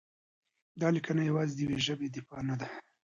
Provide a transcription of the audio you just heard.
دا لیکنه یوازې د یوې ژبې دفاع نه ده؛